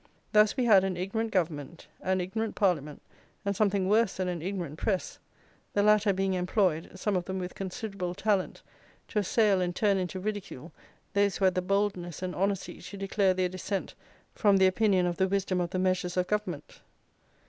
Thus we had an ignorant Government, an ignorant Parliament, and something worse than an ignorant press; the latter being employed (some of them with considerable talent) to assail and turn into ridicule those who had the boldness and honesty to declare their dissent from the opinion of the wisdom of the measures of Government.